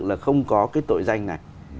là không có cái tội danh này